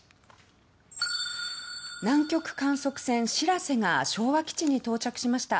南極観測船「しらせ」が昭和基地に到着しました。